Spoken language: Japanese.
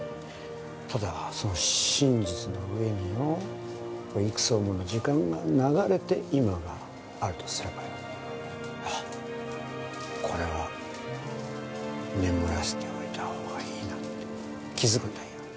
ただその真実の上によ幾層もの時間が流れて今があるとすればよああこれは眠らせておいたほうがいいなって気づくんだよ